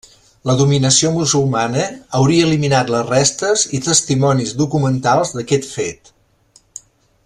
La dominació musulmana hauria eliminat les restes i testimonis documentals d'aquest fet.